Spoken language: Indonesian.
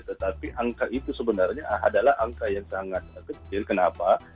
tetapi angka itu sebenarnya adalah angka yang sangat kecil kenapa